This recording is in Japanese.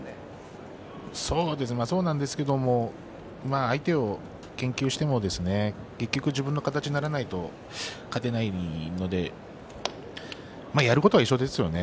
そうなんですけども相手を研究してもですね結局、自分の形になれないと勝てないのでやることは一緒ですよね。